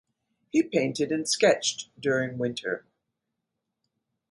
He painted and sketched during the winter.